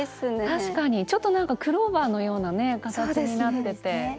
確かにちょっとなんかクローバーのようなね形になってて。